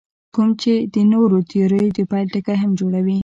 کوم چې د نورو تیوریو د پیل ټکی هم جوړوي.